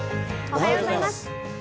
おはようございます。